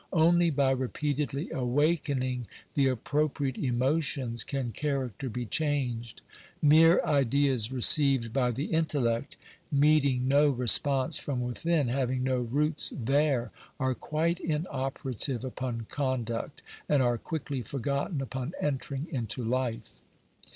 Only by repeatedly awakening the appropriate emotions can character be changed. Mere ideas received by the intellect, meeting no response from within — having no roots there — are quite inoperative upon con duct, and are quickly forgotten upon entering into life.